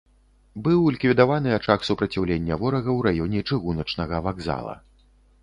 Быў ліквідаваны ачаг супраціўлення ворага ў раёне чыгуначнага вакзала.